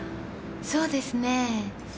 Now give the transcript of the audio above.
そうですねえ。